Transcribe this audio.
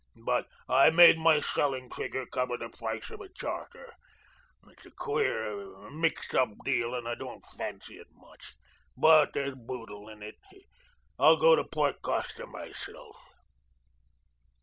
But I made my selling figure cover the price of a charter. It's a queer, mixed up deal, and I don't fancy it much, but there's boodle in it. I'll go to Port Costa myself."